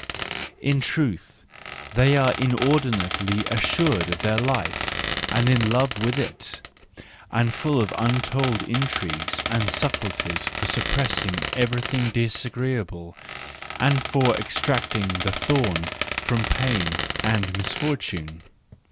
In truth, they are inordinately assured of their life and in love with it, and full of untold intrigues and subtleties for suppressing everything disagreeable and for ex¬ tracting the thorn from pain and misfortune.